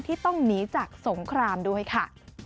ที่ต้องหนีจากสงครามด้วยค่ะ